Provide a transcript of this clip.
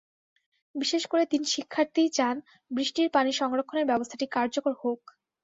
বিশেষ করে তিন শিক্ষার্থীই চান বৃষ্টির পানি সংরক্ষণের ব্যবস্থাটি কার্যকর হোক।